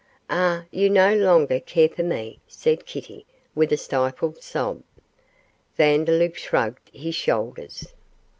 'Ah, you no longer care for me,' said Kitty, with a stifled sob. Vandeloup shrugged his shoulders.